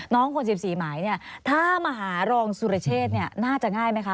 น้องคน๑๔หมายเนี่ยถ้ามาหารองสุรเชษเนี่ยน่าจะง่ายไหมคะ